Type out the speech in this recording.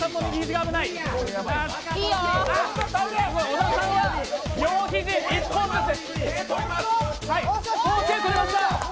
小田さんは両肘１本です！